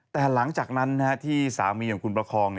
แต่หลังจากนั้นที่สามีอย่างคุณประคอง